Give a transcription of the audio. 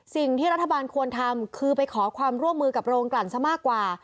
สิ่งที่รัฐบาลควรทำคือไปขอความร่วมมือกับโรงกลั่นซะมากกว่า